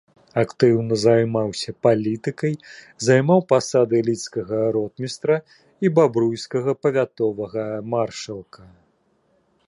Актыўна займаўся палітыкай, займаў пасады лідскага ротмістра і бабруйскага павятовага маршалка.